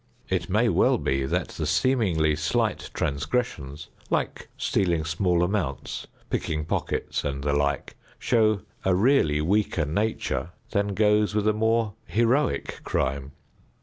It may well be that the seemingly slight transgressions, like stealing small amounts, picking pockets and the like, show a really weaker nature than goes with a more heroic crime.